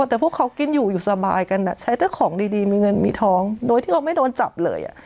แต่พวกเขากินอยู่อยู่สบายกันใช้แต่ของดีมีเงินมีทองโดยที่เขาไม่โดนจับเลย